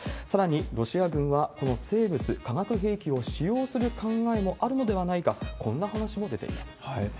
さらにロシア軍は、この生物化学兵器を使用する考えもあるのではないか、こんな話も出ています。